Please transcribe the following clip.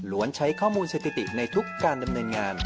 ใช้ข้อมูลสถิติในทุกการดำเนินงาน